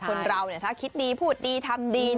คนเราถ้าคิดดีพูดดีทำดี